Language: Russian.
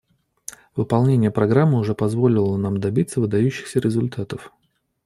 Выполнение программы уже позволило нам добиться выдающихся результатов.